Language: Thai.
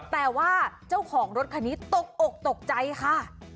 แต่ว่าเจ้าของรถคันนี้ตกอกตกใจค่ะ